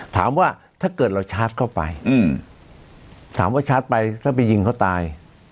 ถ้าเกิดเราชาร์จเข้าไปถามว่าชาร์จไปถ้าไปยิงเขาตาย